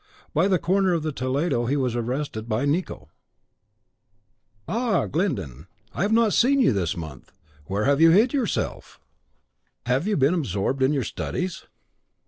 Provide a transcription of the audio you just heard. By the corner of the Toledo he was arrested by Nicot. "Ah, Glyndon! I have not seen you this month. Where have you hid yourself? Have you been absorbed in your studies?"